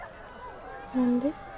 何で？